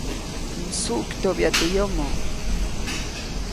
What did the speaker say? Msuʼktyoʼbya teʼ yomo.